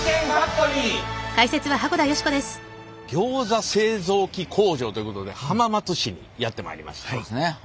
ギョーザ製造機工場ということで浜松市にやって参りました。